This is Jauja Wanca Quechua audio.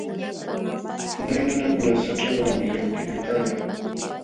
Unay nunakuna haćhawanmi sampikulkalqa.